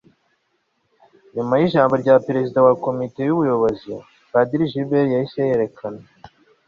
nyuma y'ijambo rya perezida wa komite nyobozi, padiri gilbert yahise yerekana